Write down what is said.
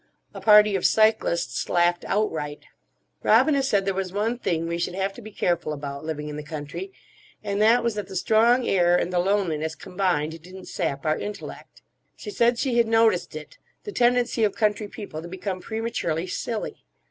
A party of cyclists laughed outright. Robina said there was one thing we should have to be careful about, living in the country, and that was that the strong air and the loneliness combined didn't sap our intellect. She said she had noticed it—the tendency of country people to become prematurely silly.